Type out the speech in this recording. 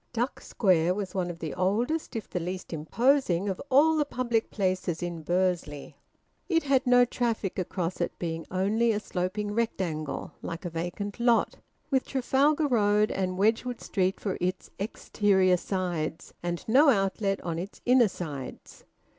Duck Square was one of the oldest, if the least imposing, of all the public places in Bursley. It had no traffic across it, being only a sloping rectangle, like a vacant lot, with Trafalgar Road and Wedgwood Street for its exterior sides, and no outlet on its inner sides.